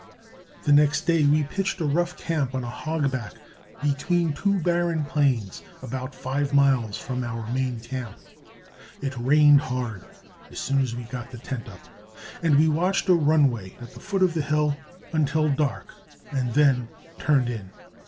The next day we pitched a rough camp on a hogback between two barren plains, about five miles from our main camp. It rained hard as soon as we got the tent up, and we watched a runway at the foot of the hill until dark and then turned in.